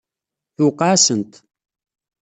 Tuqeɛ-asent.